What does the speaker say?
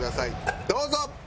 どうぞ！